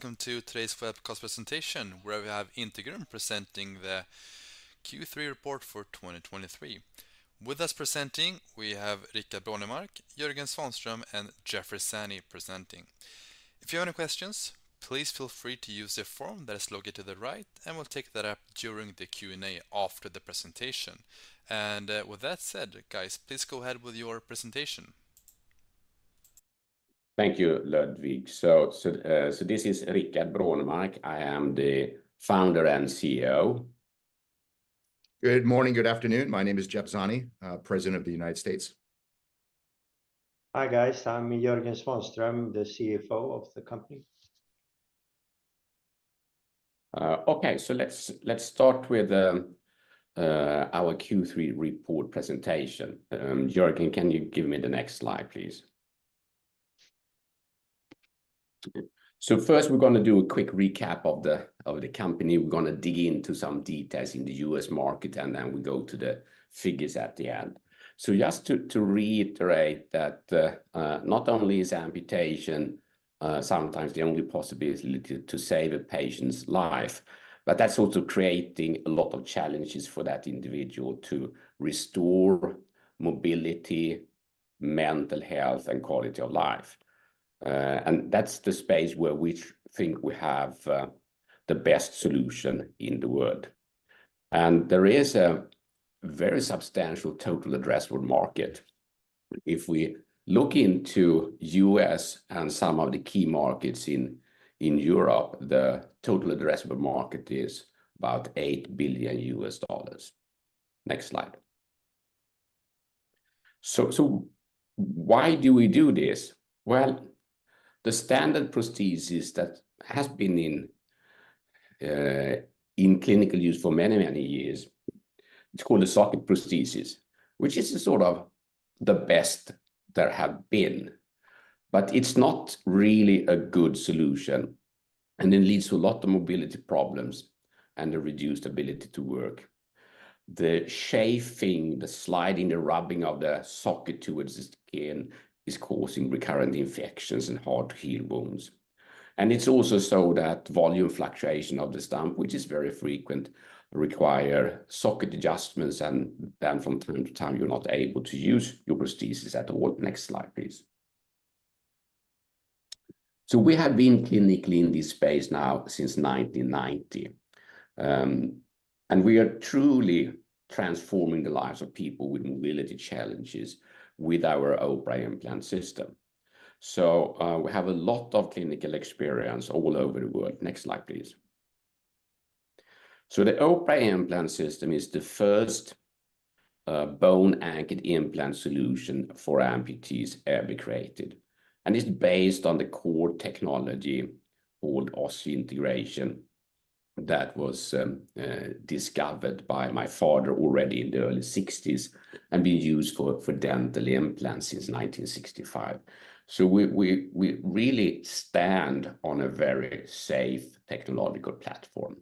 Hello and welcome to today's webcast presentation, where we have Integrum presenting the Q3 report for 2023. With us presenting, we have Rickard Brånemark, Jörgen Svanström, and Jeffrey Zanni presenting. If you have any questions, please feel free to use the form that is located to the right, and we'll take that up during the Q&A after the presentation. With that said, guys, please go ahead with your presentation. Thank you, Ludwig. So, this is Rickard Brånemark. I am the founder and CEO. Good morning, good afternoon. My name is Jeff Zanni, U.S. President of Integrum. Hi guys, I'm Jörgen Svanström, the CFO of the company. Okay, so let's, let's start with our Q3 report presentation. Jörgen, can you give me the next slide, please? So first we're gonna do a quick recap of the company. We're gonna dig into some details in the U.S. market, and then we go to the figures at the end. So just to reiterate that, not only is amputation sometimes the only possibility to save a patient's life, but that's also creating a lot of challenges for that individual to restore mobility, mental health, and quality of life. And that's the space where we think we have the best solution in the world. And there is a very substantial total addressable market. If we look into U.S. and some of the key markets in Europe, the total addressable market is about $8 billion. Next slide. So why do we do this? Well, the standard prosthesis that has been in clinical use for many, many years. It's called a socket prosthesis, which is a sort of the best there have been. But it's not really a good solution. And it leads to a lot of mobility problems and a reduced ability to work. The shaping, the sliding, the rubbing of the socket towards the skin is causing recurrent infections and hard-to-heal wounds. And it's also so that volume fluctuation of the stump, which is very frequent, requires socket adjustments, and then from time to time you're not able to use your prosthesis at all. Next slide, please. So we have been clinically in this space now since 1990, and we are truly transforming the lives of people with mobility challenges with our OPRA Implant System. So, we have a lot of clinical experience all over the world. Next slide, please. The OPRA Implant System is the first bone-anchored implant solution for amputees ever created. It's based on the core technology called osseointegration. That was discovered by my father already in the early sixties and been used for dental implants since 1965. We really stand on a very safe technological platform.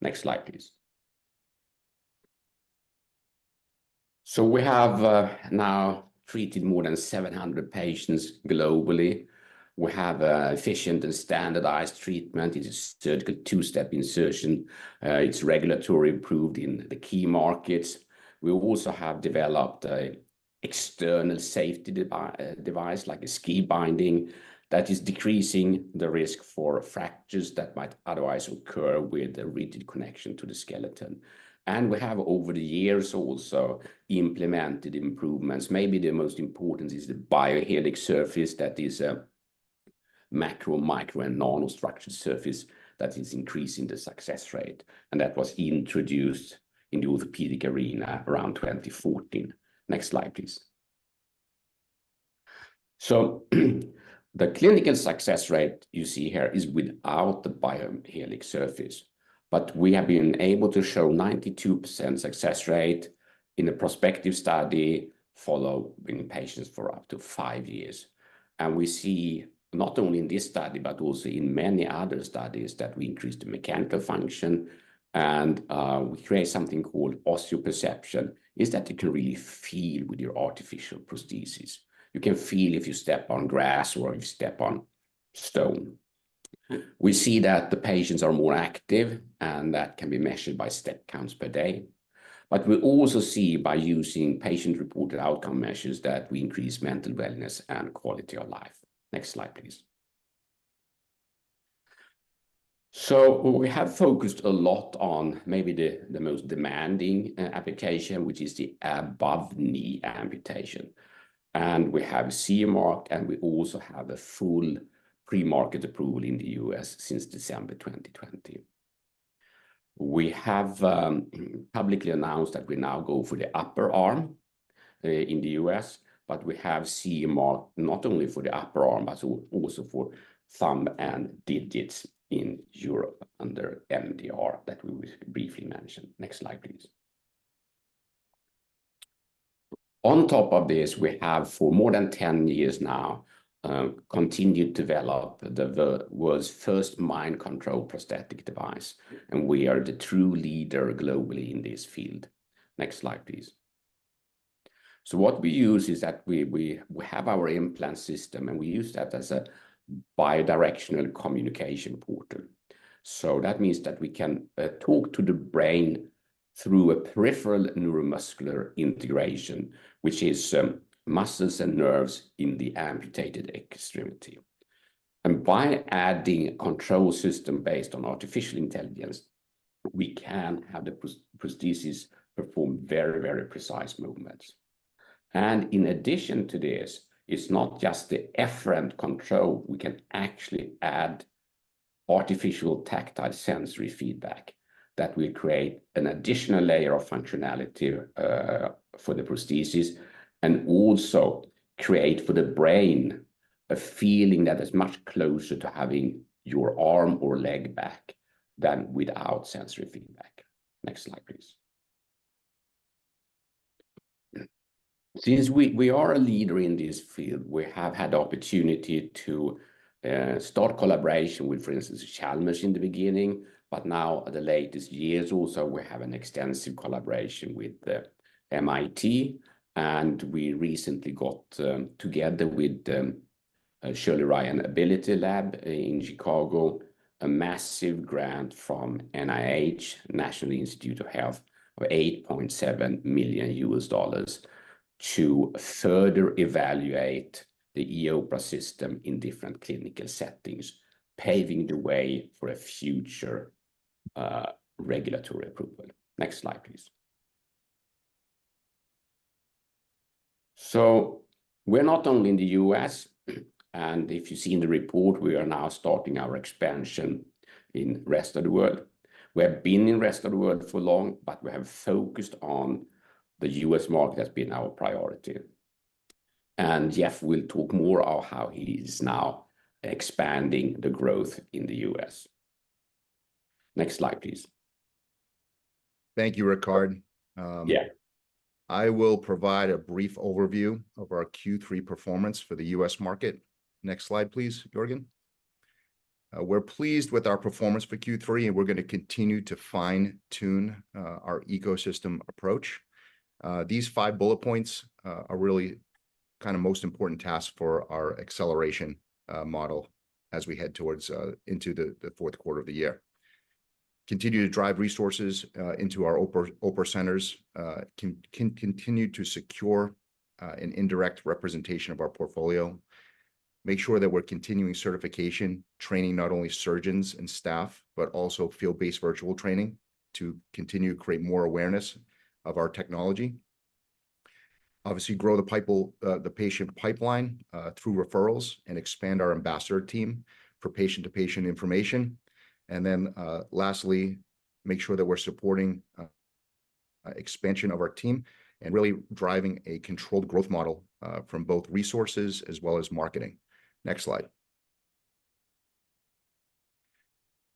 Next slide, please. We have now treated more than 700 patients globally. We have an efficient and standardized treatment. It is surgical two-step insertion. It's regulatory approved in the key markets. We also have developed an external safety device like a ski binding that is decreasing the risk for fractures that might otherwise occur with a rigid connection to the skeleton. We have over the years also implemented improvements. Maybe the most important is the BioHelix surface that is a macro, micro, and nano structured surface that is increasing the success rate. That was introduced in the orthopedic arena around 2014. Next slide, please. So the clinical success rate you see here is without the BioHelix surface. But we have been able to show 92% success rate in a prospective study following patients for up to five years. We see not only in this study, but also in many other studies that we increase the mechanical function. We create something called osseoperception. It is that you can really feel with your artificial prosthesis. You can feel if you step on grass or if you step on stone. We see that the patients are more active and that can be measured by step counts per day. We also see by using patient-reported outcome measures that we increase mental wellness and quality of life. Next slide, please. So we have focused a lot on maybe the most demanding application, which is the above-knee amputation. We have CE Mark and we also have a full pre-market approval in the U.S. since December 2020. We have publicly announced that we now go for the upper arm in the U.S., but we have CE Mark not only for the upper arm, but also for thumb and digits in Europe under MDR that we briefly mentioned. Next slide, please. On top of this, we have for more than 10 years now continued to develop the world's first mind-controlled prosthetic device, and we are the true leader globally in this field. Next slide, please. So what we use is that we have our implant system and we use that as a bidirectional communication portal. So that means that we can talk to the brain through a peripheral neuromuscular integration, which is muscles and nerves in the amputated extremity. And by adding a control system based on artificial intelligence, we can have the prosthesis perform very, very precise movements. And in addition to this, it's not just the efferent control, we can actually add artificial tactile sensory feedback that will create an additional layer of functionality for the prosthesis and also create for the brain a feeling that is much closer to having your arm or leg back than without sensory feedback. Next slide, please. Since we are a leader in this field, we have had opportunity to start collaboration with, for instance, Chalmers in the beginning, but now at the latest years also we have an extensive collaboration with the MIT and we recently got, together with Shirley Ryan AbilityLab in Chicago, a massive grant from NIH, National Institutes of Health, of $8.7 million to further evaluate the e-OPRA system in different clinical settings, paving the way for a future regulatory approval. Next slide, please. So we're not only in the U.S., and if you see in the report we are now starting our expansion in the rest of the world. We have been in the rest of the world for long, but we have focused on the U.S. market has been our priority. And Jeff will talk more on how he is now expanding the growth in the U.S. Next slide, please. Thank you, Rickard. Yeah, I will provide a brief overview of our Q3 performance for the U.S. market. Next slide, please, Jörgen. We're pleased with our performance for Q3, and we're going to continue to fine-tune our ecosystem approach. These five bullet points are really kind of most important tasks for our acceleration model as we head towards into the fourth quarter of the year. Continue to drive resources into our OPRA centers, continue to secure an indirect representation of our portfolio. Make sure that we're continuing certification, training not only surgeons and staff, but also field-based virtual training to continue to create more awareness of our technology. Obviously, grow the patient pipeline through referrals and expand our ambassador team for patient-to-patient information. And then lastly, make sure that we're supporting expansion of our team and really driving a controlled growth model from both resources as well as marketing. Next slide.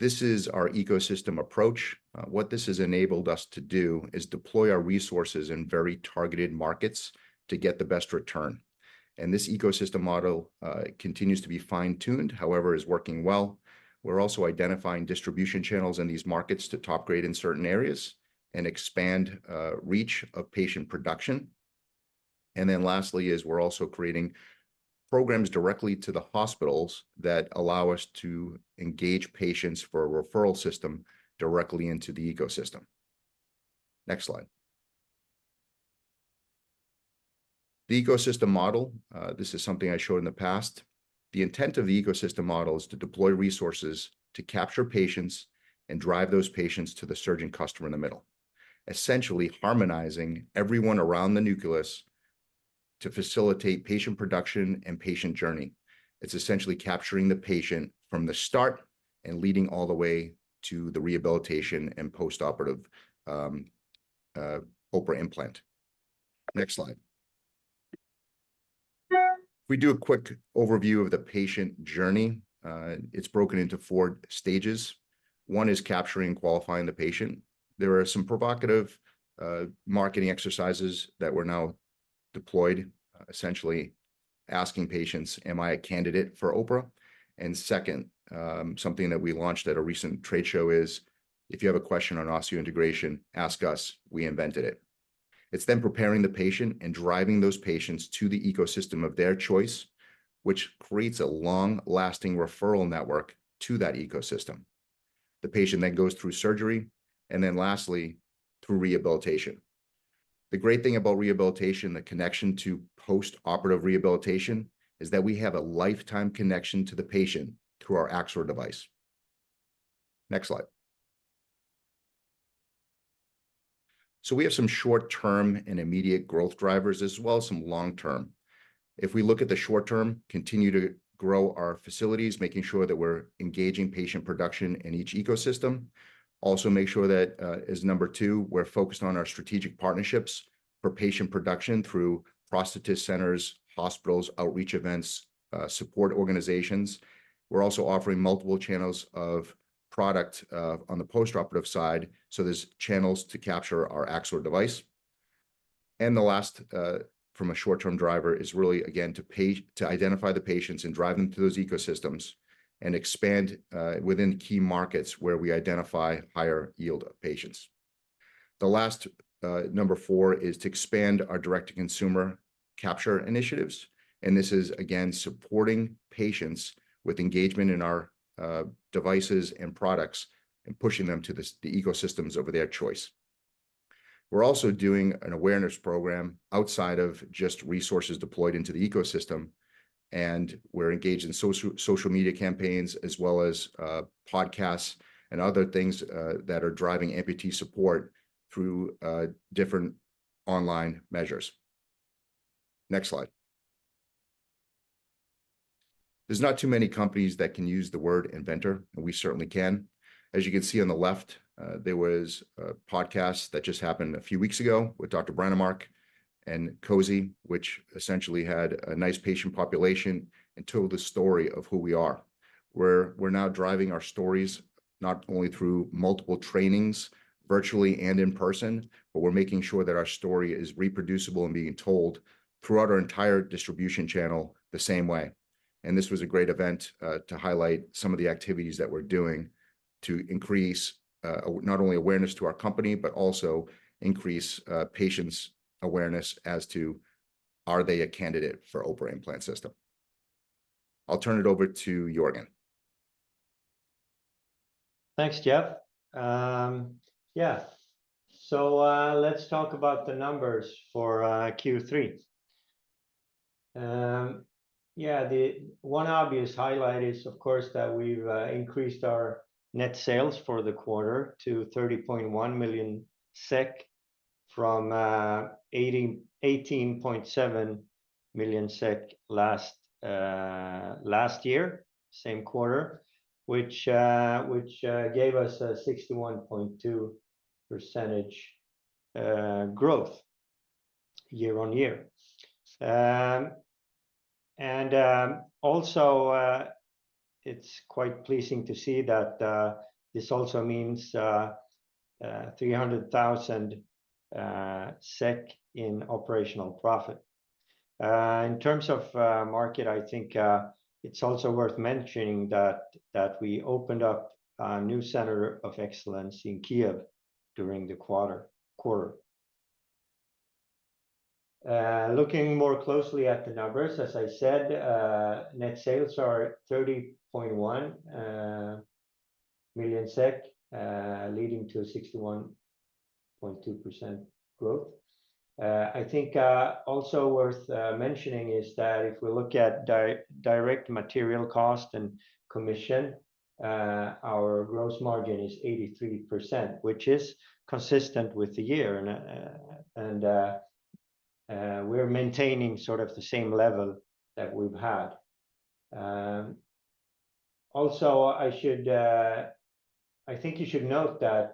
This is our ecosystem approach. What this has enabled us to do is deploy our resources in very targeted markets to get the best return. This ecosystem model continues to be fine-tuned, however, is working well. We're also identifying distribution channels in these markets to top grade in certain areas and expand reach of patient production. Then lastly is we're also creating programs directly to the hospitals that allow us to engage patients for a referral system directly into the ecosystem. Next slide. The ecosystem model, this is something I showed in the past. The intent of the ecosystem model is to deploy resources to capture patients and drive those patients to the surgeon customer in the middle. Essentially harmonizing everyone around the nucleus to facilitate patient production and patient journey. It's essentially capturing the patient from the start and leading all the way to the rehabilitation and post-operative OPRA implant. Next slide. If we do a quick overview of the patient journey, it's broken into four stages. One is capturing and qualifying the patient. There are some provocative marketing exercises that we're now deployed, essentially asking patients, Am I a candidate for OPRA? And second, something that we launched at a recent trade show is if you have a question on osseointegration, ask us, we invented it. It's then preparing the patient and driving those patients to the ecosystem of their choice. Which creates a long-lasting referral network to that ecosystem. The patient then goes through surgery. And then lastly, through rehabilitation. The great thing about rehabilitation, the connection to post-operative rehabilitation is that we have a lifetime connection to the patient through our Axor device. Next slide. So we have some short-term and immediate growth drivers as well as some long-term. If we look at the short-term, continue to grow our facilities, making sure that we're engaging patient production in each ecosystem. Also make sure that, as number two, we're focused on our strategic partnerships for patient production through prosthetist centers, hospitals, outreach events, support organizations. We're also offering multiple channels of product on the post-operative side. So there's channels to capture our Axor device. And the last from a short-term driver is really, again, to pay to identify the patients and drive them to those ecosystems. And expand within key markets where we identify higher yield patients. The last number four is to expand our direct-to-consumer capture initiatives. And this is again supporting patients with engagement in our devices and products and pushing them to the ecosystems of their choice. We're also doing an awareness program outside of just resources deployed into the ecosystem. And we're engaged in social media campaigns as well as podcasts and other things that are driving amputee support through different online measures. Next slide. There's not too many companies that can use the word inventor, and we certainly can. As you can see on the left, there was a podcast that just happened a few weeks ago with Dr. Brånemark. And Cosi, which essentially had a nice patient population and told the story of who we are. We're now driving our stories not only through multiple trainings virtually and in person, but we're making sure that our story is reproducible and being told throughout our entire distribution channel the same way. And this was a great event to highlight some of the activities that we're doing. To increase not only awareness to our company, but also increase patients' awareness as to are they a candidate for OPRA Implant System. I'll turn it over to Jörgen. Thanks, Jeff. Yeah. So let's talk about the numbers for Q3. Yeah, the one obvious highlight is, of course, that we've increased our net sales for the quarter to 30.1 million SEK. From 18.7 million SEK last year, same quarter. Which gave us a 61.2% growth year-on-year. And also, it's quite pleasing to see that this also means 300,000 SEK in operational profit. In terms of market, I think it's also worth mentioning that we opened up a new center of excellence in Kyiv during the quarter. Looking more closely at the numbers, as I said, net sales are 30.1 million SEK, leading to 61.2% growth. I think also worth mentioning is that if we look at direct material cost and commission, our gross margin is 83%, which is consistent with the year and we're maintaining sort of the same level that we've had. I think you should note that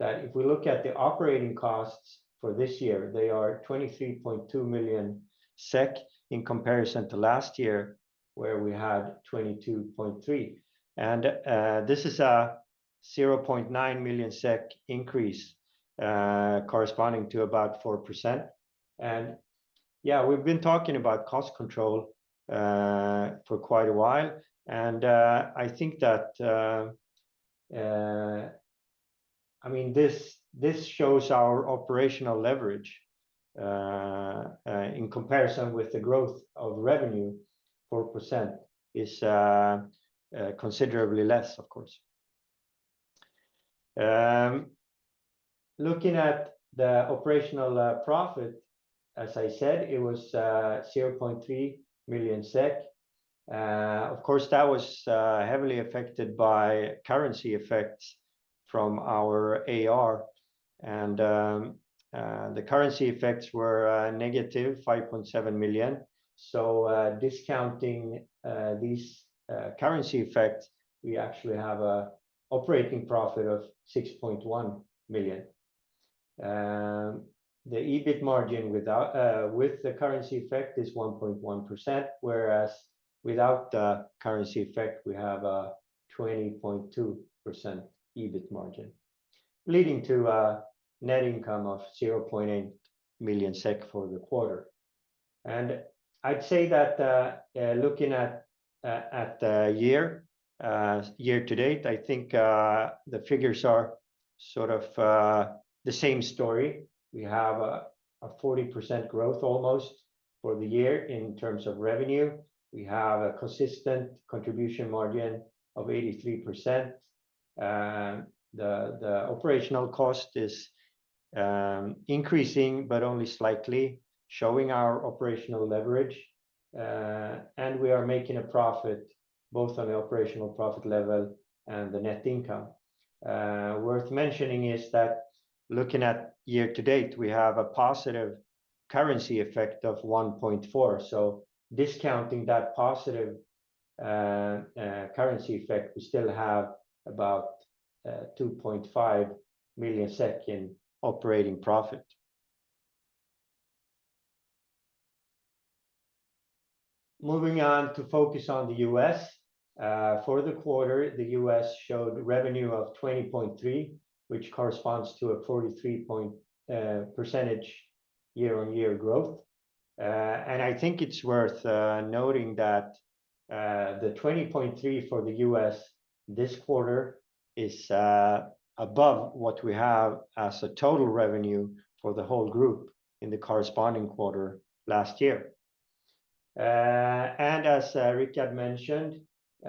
if we look at the operating costs for this year, they are 23.2 million SEK in comparison to last year where we had 22.3 million. And this is a 0.9 million SEK increase corresponding to about 4%. And yeah, we've been talking about cost control for quite a while and I think that I mean this shows our operational leverage. In comparison with the growth of revenue, 4% is considerably less, of course. Looking at the operational profit, as I said, it was 0.3 million SEK. Of course, that was heavily affected by currency effects from our AR. And the currency effects were negative 5.7 million. So discounting these currency effects, we actually have an operating profit of 6.1 million. The EBIT margin without the currency effect is 1.1%, whereas without the currency effect, we have a 20.2% EBIT margin. Leading to a net income of 0.8 million SEK for the quarter. And I'd say that looking at the year to date, I think the figures are sort of the same story. We have a 40% growth almost for the year in terms of revenue. We have a consistent contribution margin of 83%. The operational cost is increasing, but only slightly, showing our operational leverage. And we are making a profit both on the operational profit level and the net income. Worth mentioning is that looking at year to date, we have a positive currency effect of 1.4%. So discounting that positive currency effect, we still have about 2.5 million in operating profit. Moving on to focus on the U.S. for the quarter, the U.S. showed revenue of 20.3%, which corresponds to a 43% year-on-year growth. I think it's worth noting that the 20.3% for the U.S. this quarter is above what we have as a total revenue for the whole group in the corresponding quarter last year. As Rickard mentioned, we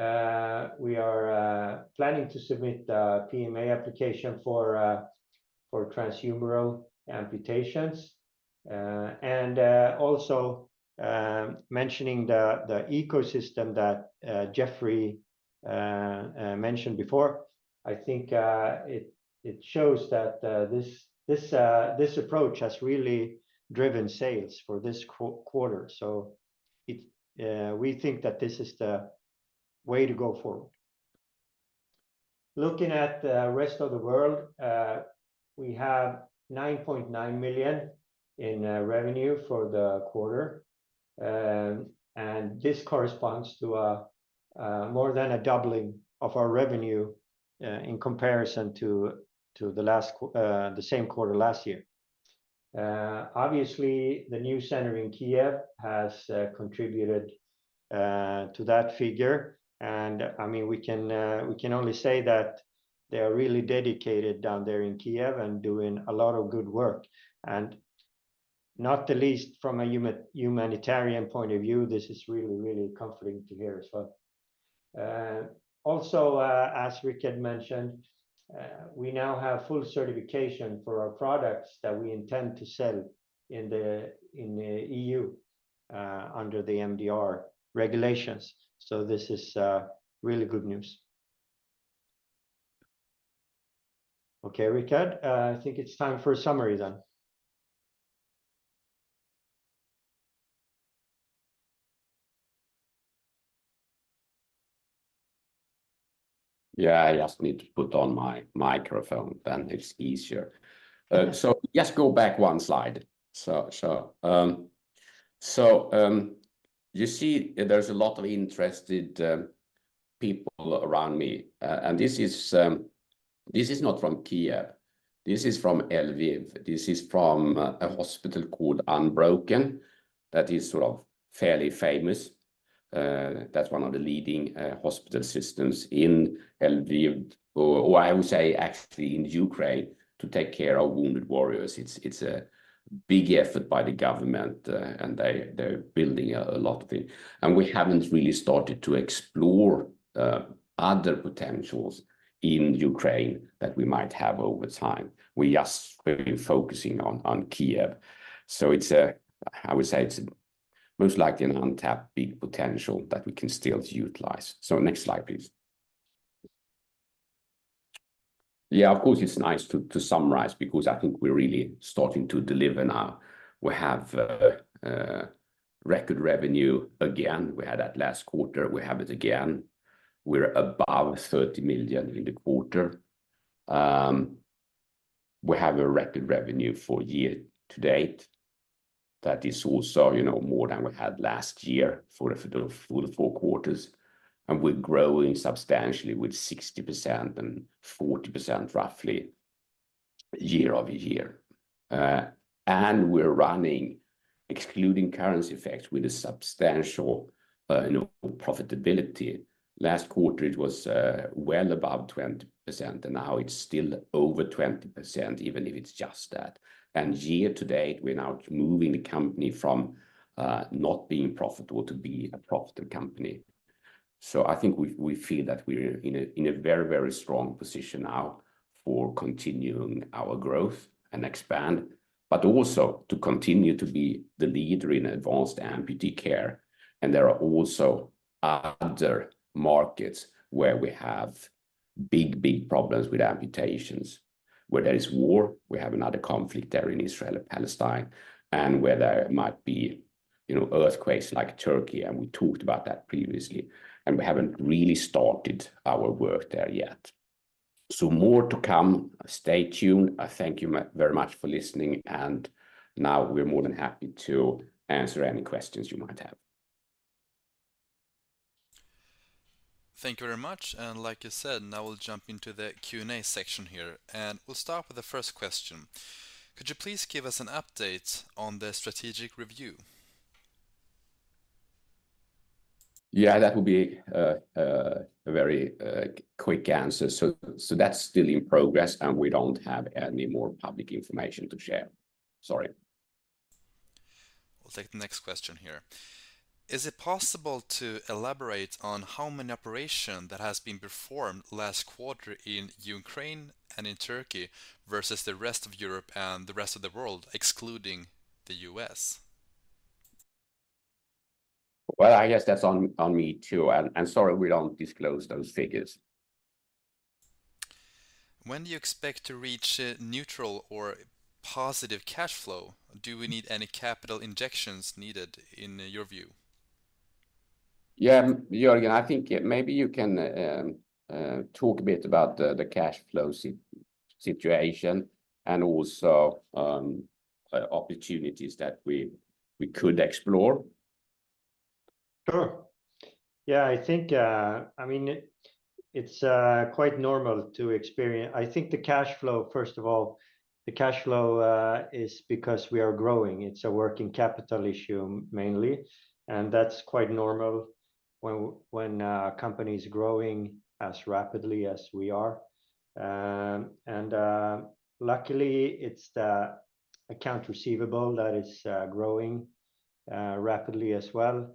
are planning to submit the PMA application for transhumeral amputations. Also mentioning the ecosystem that Jeffrey mentioned before, I think it shows that this approach has really driven sales for this quarter. So we think that this is the way to go forward. Looking at the rest of the world, we have 9.9 million in revenue for the quarter. This corresponds to more than a doubling of our revenue in comparison to the same quarter last year. Obviously, the new center in Kyiv has contributed to that figure. And I mean, we can only say that they are really dedicated down there in Kyiv and doing a lot of good work. And not the least from a humanitarian point of view, this is really, really comforting to hear as well. Also, as Rickard mentioned, we now have full certification for our products that we intend to sell in the EU under the MDR regulations. So this is really good news. Okay, Rickard, I think it's time for a summary then. Yeah, I just need to put on my microphone then it's easier. So yes, go back one slide. So you see there's a lot of interested people around me. And this is not from Kyiv. This is from Lviv. This is from a hospital called Unbroken that is sort of fairly famous. That's one of the leading hospital systems in Lviv, or I would say actually in Ukraine, to take care of wounded warriors. It's a big effort by the government and they're building a lot of things. And we haven't really started to explore other potentials in Ukraine that we might have over time. We just been focusing on Kyiv. So it's, I would say, a most likely an untapped big potential that we can still utilize. So next slide, please. Yeah, of course it's nice to summarize because I think we're really starting to deliver now. We have record revenue again. We had that last quarter. We have it again. We're above 30 million in the quarter. We have a record revenue for year to date. That is also, you know, more than we had last year for the full four quarters. And we're growing substantially with 60% and 40% roughly year-over-year. And we're running excluding currency effects with a substantial, you know, profitability. Last quarter it was well above 20% and now it's still over 20% even if it's just that. And year to date we're now moving the company from not being profitable to be a profitable company. So I think we feel that we're in a very, very strong position now for continuing our growth and expand. But also to continue to be the leader in advanced amputee care. And there are also other markets where we have big, big problems with amputations. Where there is war, we have another conflict there in Israel and Palestine. And where there might be, you know, earthquakes like Turkey and we talked about that previously. And we haven't really started our work there yet. So more to come. Stay tuned. I thank you very much for listening, and now we're more than happy to answer any questions you might have. Thank you very much. Like you said, now we'll jump into the Q&A section here. We'll start with the first question. Could you please give us an update on the strategic review? Yeah, that would be a very quick answer. So that's still in progress and we don't have any more public information to share. Sorry. We'll take the next question here. Is it possible to elaborate on how many operations that has been performed last quarter in Ukraine and in Turkey versus the rest of Europe and the rest of the world excluding the U.S.? Well, I guess that's on me too. Sorry we don't disclose those figures. When do you expect to reach neutral or positive cash flow? Do we need any capital injections in your view? Yeah, Jörgen, I think maybe you can talk a bit about the cash flow situation and also opportunities that we could explore. Sure. Yeah, I think I mean, it's quite normal to experience. I think the cash flow, first of all, the cash flow is because we are growing. It's a working capital issue mainly. And that's quite normal when a company is growing as rapidly as we are. And luckily it's the account receivable that is growing rapidly as well.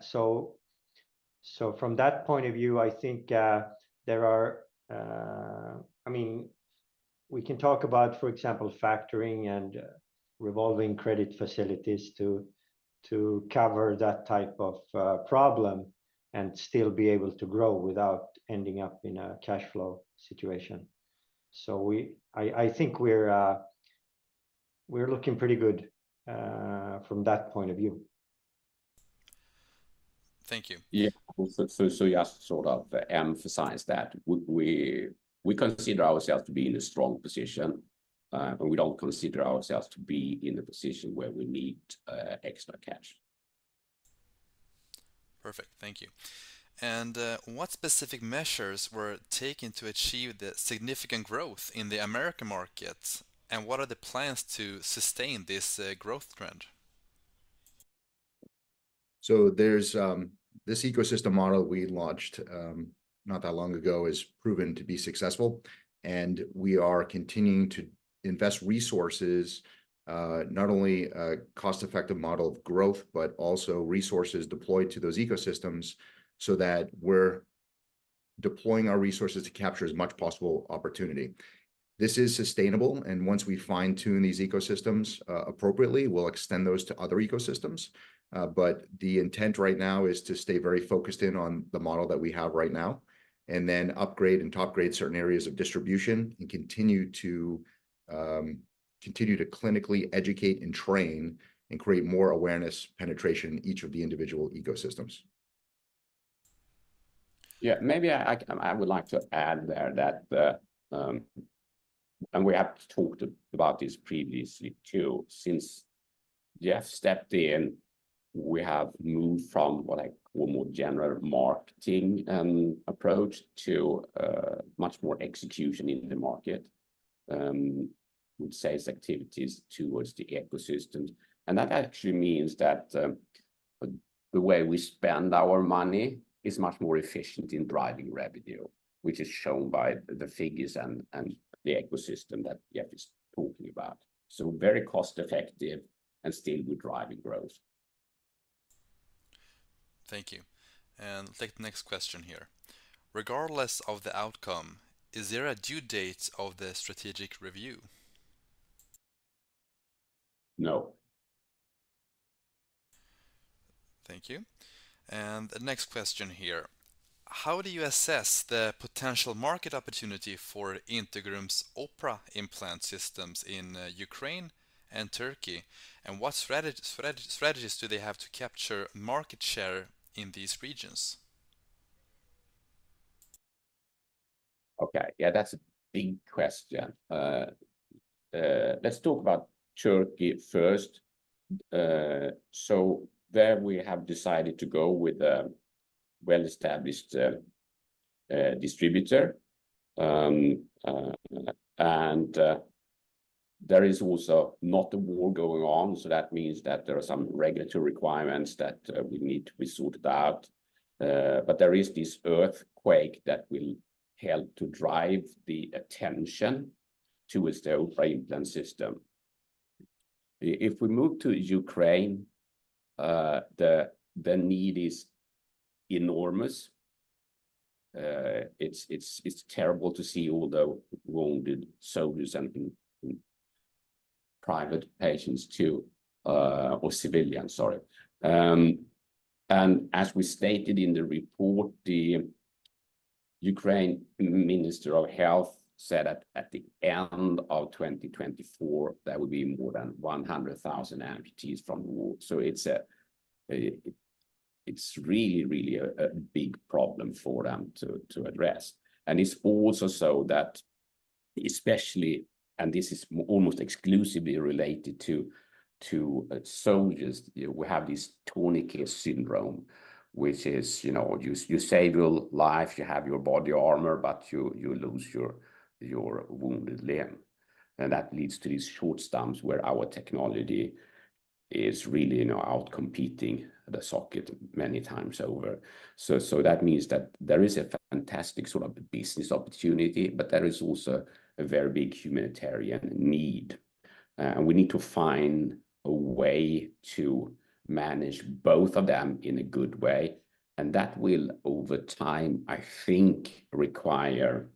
So from that point of view, I think there are I mean, we can talk about, for example, factoring and revolving credit facilities to cover that type of problem and still be able to grow without ending up in a cash flow situation. So we I think we're looking pretty good from that point of view. Thank you. Yeah. So yes, sort of emphasize that we consider ourselves to be in a strong position and we don't consider ourselves to be in the position where we need extra cash. Perfect. Thank you. What specific measures were taken to achieve the significant growth in the American markets and what are the plans to sustain this growth trend? So there's this ecosystem model we launched not that long ago that's proven to be successful. We are continuing to invest resources not only as a cost-effective model of growth, but also resources deployed to those ecosystems so that we're deploying our resources to capture as much possible opportunity. This is sustainable, and once we fine-tune these ecosystems appropriately, we'll extend those to other ecosystems. But the intent right now is to stay very focused in on the model that we have right now. And then upgrade and top grade certain areas of distribution and continue to clinically educate and train and create more awareness penetration in each of the individual ecosystems. Yeah, maybe I would like to add there that and we have talked about this previously too since Jeff stepped in. We have moved from what I call more general marketing approach to much more execution in the market. Would say it's activities towards the ecosystem. And that actually means that the way we spend our money is much more efficient in driving revenue, which is shown by the figures and the ecosystem that Jeff is talking about. So very cost-effective and still we're driving growth. Thank you. Take the next question here. Regardless of the outcome, is there a due date of the strategic review? No. Thank you. The next question here. How do you assess the potential market opportunity for Integrum's OPRA implant systems in Ukraine and Turkey? And what strategies do they have to capture market share in these regions? Okay, yeah, that's a big question. Let's talk about Turkey first. So there we have decided to go with a well-established distributor. And there is also not a war going on, so that means that there are some regulatory requirements that we need to be sorted out. But there is this earthquake that will help to drive the attention towards the OPRA Implant System. If we move to Ukraine, the need is enormous. It's terrible to see all the wounded soldiers and private patients too or civilians, sorry. And as we stated in the report, the Ukraine Minister of Health said that at the end of 2024, there would be more than 100,000 amputees from the war. So it's a really, really big problem for them to address. It's also so that especially, and this is almost exclusively related to soldiers, we have this tourniquet syndrome, which is, you know, you save your life, you have your body armor, but you lose your wounded limb. And that leads to these short stumps where our technology is really, you know, outcompeting the socket many times over. So that means that there is a fantastic sort of business opportunity, but there is also a very big humanitarian need. And we need to find a way to manage both of them in a good way. And that will over time, I think, require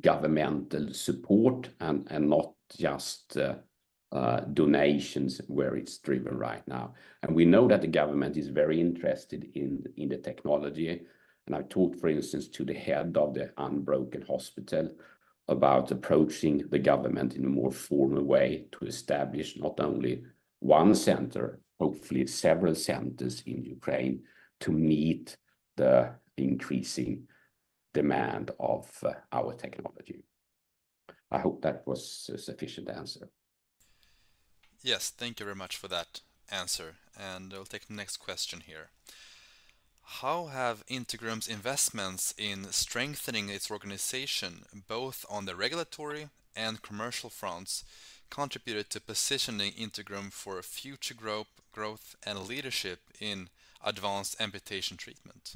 governmental support and not just donations where it's driven right now. And we know that the government is very interested in the technology. I've talked, for instance, to the head of the Unbroken Hospital about approaching the government in a more formal way to establish not only one center, hopefully several centers in Ukraine to meet the increasing demand of our technology. I hope that was a sufficient answer. Yes, thank you very much for that answer. We'll take the next question here. How have Integrum's investments in strengthening its organization, both on the regulatory and commercial fronts, contributed to positioning Integrum for future growth and leadership in advanced amputation treatment?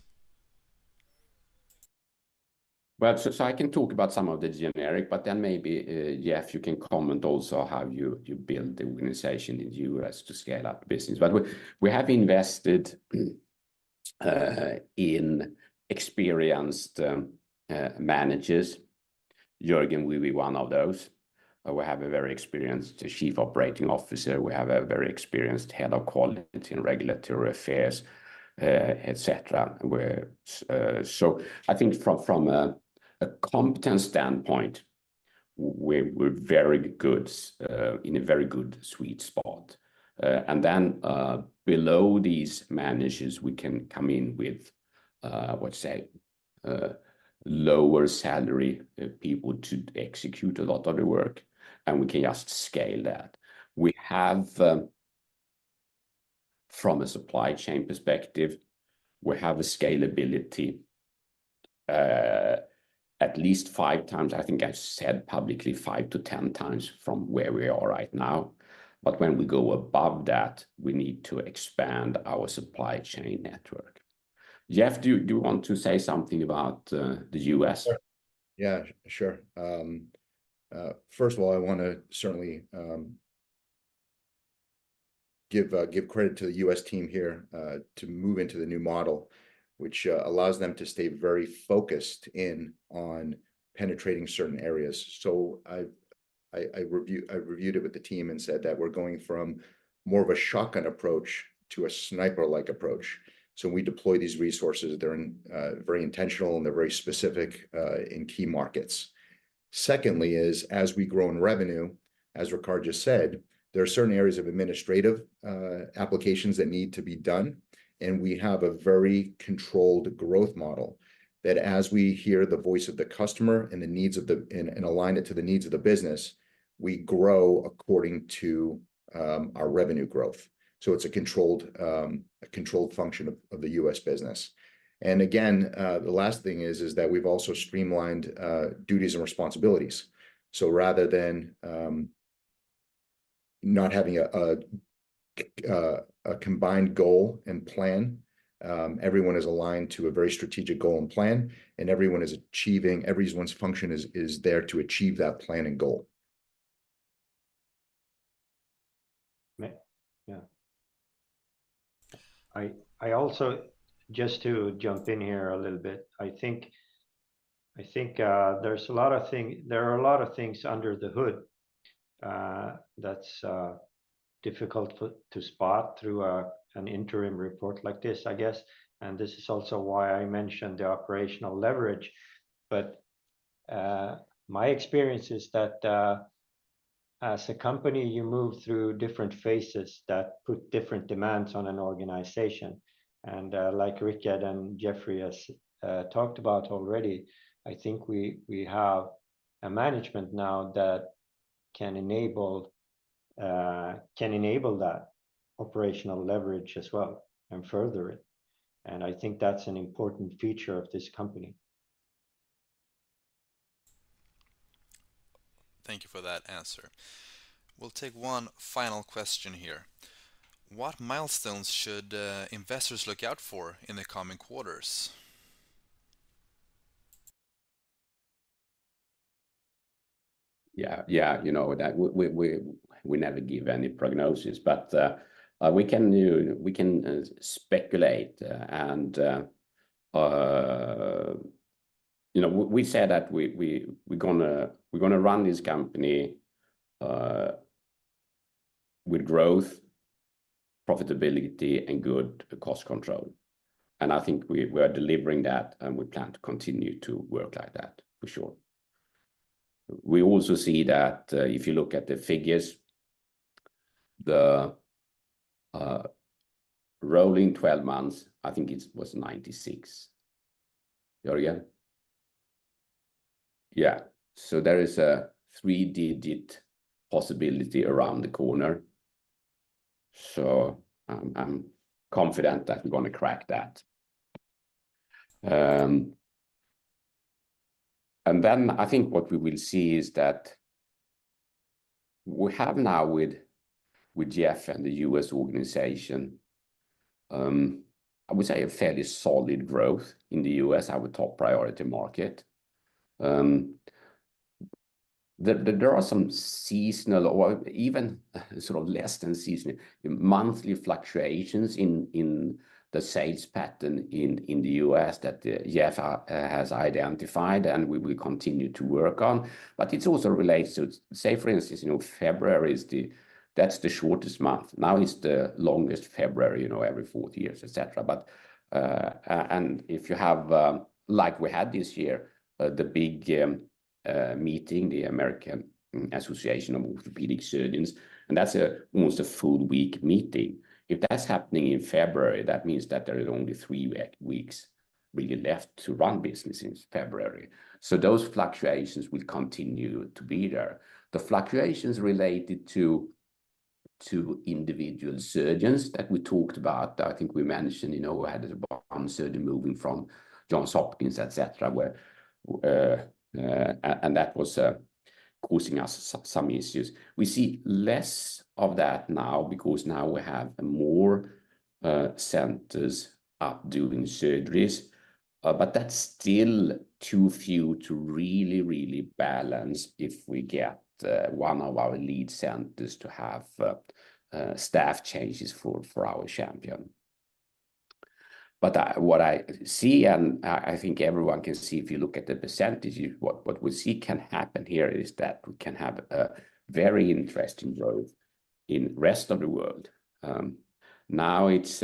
Well, so I can talk about some of the generic, but then maybe Jeff, you can comment also how you build the organization in the U.S. to scale up business. But we have invested in experienced managers. Jörgen, we'll be one of those. We have a very experienced chief operating officer. We have a very experienced head of quality and regulatory affairs, etc. We're, so I think from a competence standpoint, we're very good in a very good sweet spot. And then below these managers, we can come in with, let's say, lower salary people to execute a lot of the work and we can just scale that. We have from a supply chain perspective, we have a scalability at least five times. I think I said publicly five to 10 times from where we are right now. But when we go above that, we need to expand our supply chain network. Jeff, do you want to say something about the U.S.? Yeah, sure. First of all, I want to certainly give credit to the U.S. team here to move into the new model, which allows them to stay very focused in on penetrating certain areas. So I reviewed it with the team and said that we're going from more of a shotgun approach to a sniper-like approach. So we deploy these resources. They're very intentional and they're very specific in key markets. Secondly, as we grow in revenue, as Rickard just said, there are certain areas of administrative applications that need to be done. And we have a very controlled growth model that, as we hear the voice of the customer and the needs of the and align it to the needs of the business, we grow according to our revenue growth. So it's a controlled function of the U.S. business. Again, the last thing is that we've also streamlined duties and responsibilities. So rather than not having a combined goal and plan, everyone is aligned to a very strategic goal and plan and everyone is achieving everyone's function is there to achieve that plan and goal. Yeah. I also just to jump in here a little bit, I think there's a lot of things under the hood that's difficult to spot through an interim report like this, I guess. And this is also why I mentioned the operational leverage. But my experience is that as a company, you move through different phases that put different demands on an organization. And like Rickard and Jeffrey has talked about already, I think we have a management now that can enable that operational leverage as well and further it. And I think that's an important feature of this company. Thank you for that answer. We'll take one final question here. What milestones should investors look out for in the coming quarters? Yeah, yeah, you know, that we never give any prognosis, but we can speculate and you know, we said that we're going to run this company with growth, profitability, and good cost control. I think we are delivering that and we plan to continue to work like that for sure. We also see that if you look at the figures, the rolling 12 months, I think it was 96. Jörgen? Yeah, so there is a three-digit possibility around the corner. So I'm confident that we're going to crack that. And then I think what we will see is that we have now with Jeff and the U.S. organization, I would say a fairly solid growth in the U.S., our top priority market. There are some seasonal or even sort of less than seasonal monthly fluctuations in the sales pattern in the U.S. that Jeff has identified and we will continue to work on. But it's also related to, say, for instance, you know, February is that's the shortest month. Now it's the longest February, you know, every fourth years, etc. But if you have, like we had this year, the big meeting, the American Association of Orthopedic Surgeons, and that's almost a full week meeting. If that's happening in February, that means that there are only three weeks really left to run business in February. So those fluctuations will continue to be there. The fluctuations related to individual surgeons that we talked about, I think we mentioned, you know, we had one surgeon moving from Johns Hopkins, etc., where that was causing us some issues. We see less of that now because now we have more centers up doing surgeries. But that's still too few to really, really balance if we get one of our lead centers to have staff changes for for our champion. But what I see and I think everyone can see if you look at the percentages, what what we see can happen here is that we can have a very interesting growth in the rest of the world. Now it's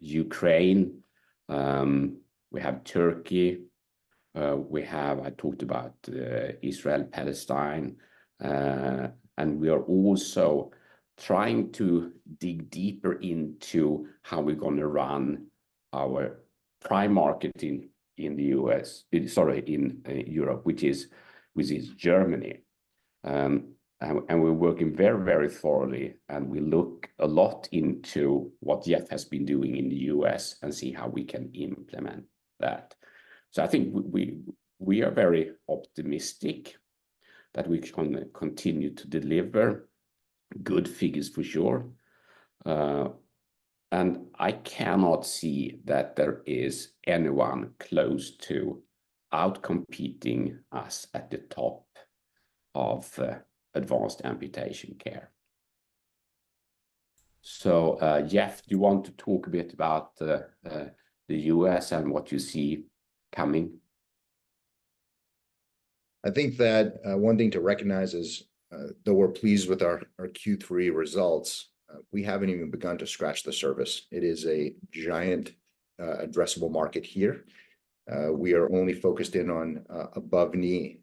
Ukraine. We have Turkey. We have I talked about Israel, Palestine. And we are also trying to dig deeper into how we're going to run our prime market in in the U.S., sorry, in Europe, which is which is Germany. And we're working very, very thoroughly and we look a lot into what Jeff has been doing in the U.S. and see how we can implement that. I think we are very optimistic that we can continue to deliver good figures for sure. I cannot see that there is anyone close to outcompeting us at the top of advanced amputation care. Jeff, do you want to talk a bit about the U.S. and what you see coming? I think that one thing to recognize is, though we're pleased with our Q3 results, we haven't even begun to scratch the surface. It is a giant addressable market here. We are only focused in on above-knee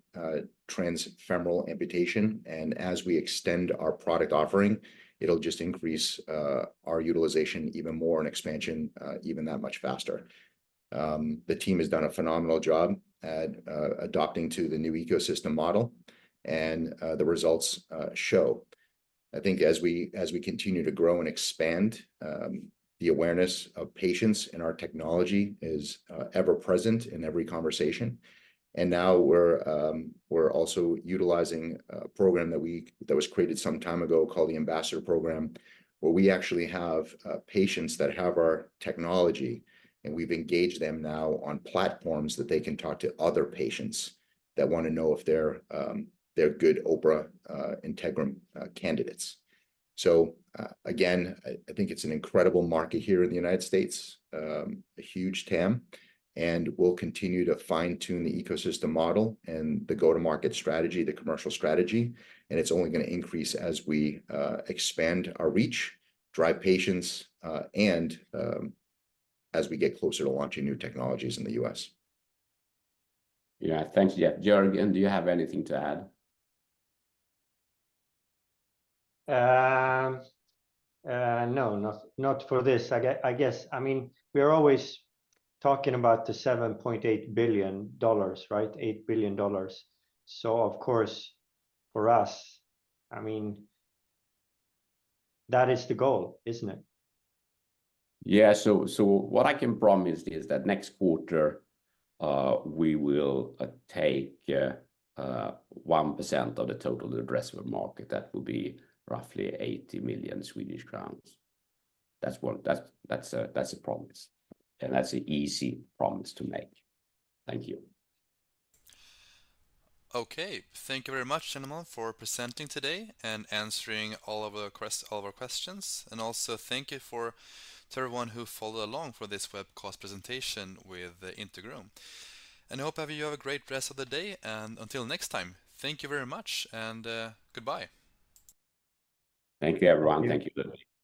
transfemoral amputation. And as we extend our product offering, it'll just increase our utilization even more and expansion even that much faster. The team has done a phenomenal job at adapting to the new ecosystem model. And the results show. I think as we continue to grow and expand, the awareness of patients and our technology is ever present in every conversation. And now we're also utilizing a program that was created some time ago called the Ambassador Program, where we actually have patients that have our technology and we've engaged them now on platforms that they can talk to other patients that want to know if they're good OPRA Integrum candidates. So again, I think it's an incredible market here in the United States, a huge TAM. And we'll continue to fine-tune the ecosystem model and the go-to-market strategy, the commercial strategy. And it's only going to increase as we expand our reach, drive patients, and as we get closer to launching new technologies in the U.S. Yeah, thanks, Jeff. Jörgen, do you have anything to add? No, not for this, I guess. I mean, we are always talking about the $7.8 billion, right? $8 billion. So of course for us, I mean, that is the goal, isn't it? Yeah, so what I can promise is that next quarter, we will take 1% of the total addressable market. That will be roughly 80 million Swedish crowns. That's one. That's a promise. And that's an easy promise to make. Thank you. Okay, thank you very much, Gentlemen, for presenting today and answering all of our questions. And also thank you to everyone who followed along for this webcast presentation with Integrum. And I hope you have a great rest of the day. And until next time, thank you very much and goodbye. Thank you, everyone. Thank you.